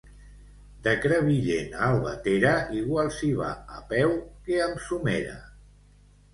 De Crevillent a Albatera igual s'hi va a peu que amb somera.